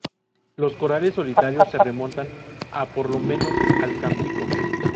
Los corales solitarios se remontan a por lo menos al Cámbrico.